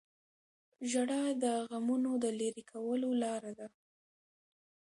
• ژړا د غمونو د لرې کولو لاره ده.